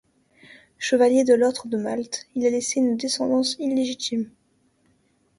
Chevalier de l’Ordre de Malte, il a laissé une descendance illégitime.